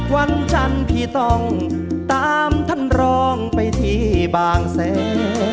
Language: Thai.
วันจันทร์พี่ต้องตามท่านรองไปที่บางแสน